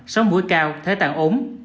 sóng mũi cao thế tạng ốm